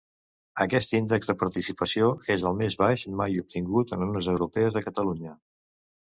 Aquest índex de participació és el més baix mai obtingut en unes europees a Catalunya.